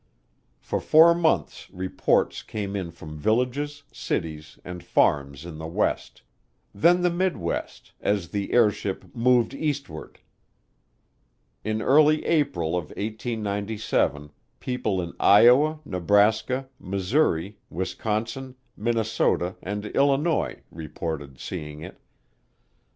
For four months reports came in from villages, cities, and farms in the West; then the Midwest, as the airship "moved eastward." In early April of 1897 people in Iowa, Nebraska, Missouri, Wisconsin, Minnesota, and Illinois reported seeing it.